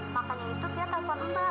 makanya itu dia telfon mbak